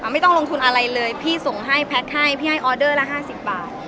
ไม่ต้องลงทุนอะไรเลยพี่ส่งให้แพทย์ให้พี่ให้ออเดอร์ละ๕๐บาท